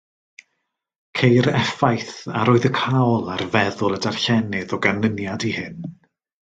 Ceir effaith arwyddocaol ar feddwl y darllenydd o ganlyniad i hyn